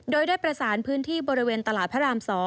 โดยได้ประสานพื้นที่บริเวณตลาดพระราม๒